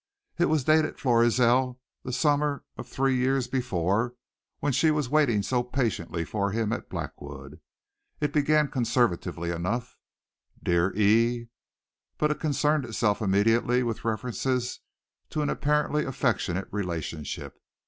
It was dated Florizel, the summer of three years before when she was waiting so patiently for him at Blackwood. It began conservatively enough "Dear E ," but it concerned itself immediately with references to an apparently affectionate relationship.